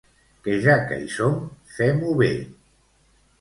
Que ja que hi som, fem-ho bé.